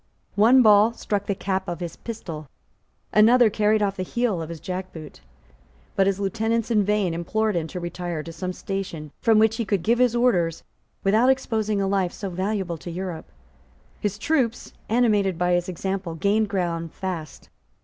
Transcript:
One ball struck the cap of his pistol: another carried off the heel of his jackboot: but his lieutenants in vain implored him to retire to some station from which he could give his orders without exposing a life so valuable to Europe. His troops, animated by his example, gained ground fast.